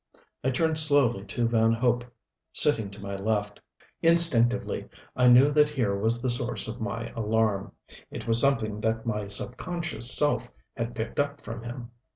I turned slowly to Van Hope, sitting to my left. Instinctively I knew that here was the source of my alarm. It was something that my subconscious self had picked up from him.